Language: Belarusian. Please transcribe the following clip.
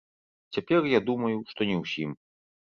Цяпер я думаю, што не ўсім.